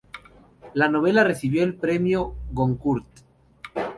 La novela recibió el premio Goncourt.